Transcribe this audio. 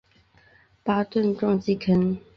巴顿撞击坑